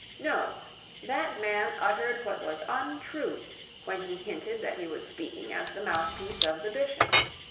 No! That man uttered what was untrue when he hinted that he was speaking as the mouthpiece of the bishop.